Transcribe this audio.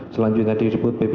selanjutnya disebut bb satu